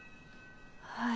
はい。